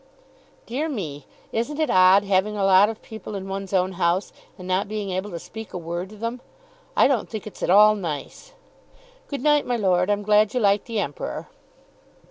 "Dear me; isn't it odd, having a lot of people in one's own house, and not being able to speak a word to them? I don't think it's at all nice. Good night, my lord. I'm glad you like the Emperor."